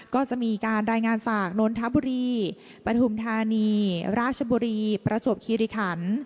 ก็จะมีการรายงานจากนนทบุรีปฐุมธานีราชบุรีประจวบคิริขัน